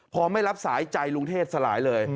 พอไม่รับสายใจลุงเทศสลายเลย